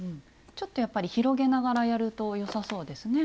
ちょっとやっぱり広げながらやるとよさそうですね。